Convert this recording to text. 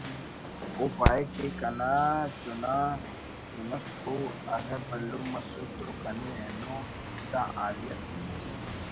اوپائک کہ کنا چناک چنک ءُ اگہ بھلن مسرہ تو کنے اینو دا حالیت ءِ